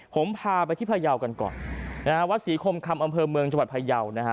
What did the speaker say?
ผมพาไปที่พยาวกันก่อนนะฮะวัดศรีคมคำอำเภอเมืองจังหวัดพยาวนะฮะ